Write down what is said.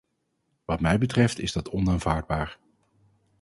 Wat mij betreft is dat onaanvaardbaar.